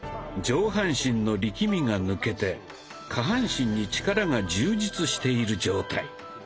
上半身の力みが抜けて下半身に力が充実している状態。